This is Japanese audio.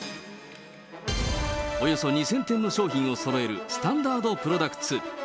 およそ２０００点の商品をそろえるスタンダードプロダクツ。